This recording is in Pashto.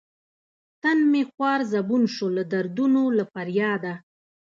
تن مې خوار زبون شو لۀ دردونو له فرياده